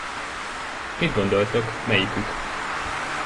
Mit gondoltok, melyikük?